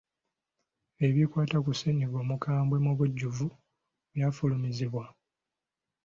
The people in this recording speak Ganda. Ebikwata ku ssennyiga omukambwe mu bujjuvu byafulumizibwa.